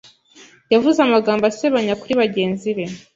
Yavuze amagambo asebanya kuri bagenzi be.